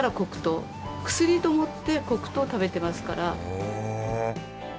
へえ。